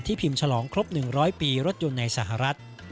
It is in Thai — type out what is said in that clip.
พิมพ์ฉลองครบ๑๐๐ปีรถยนต์ในสหรัฐ